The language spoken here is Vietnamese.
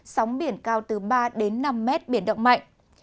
sóng biển cao từ ba đến năm mét biển động mạnh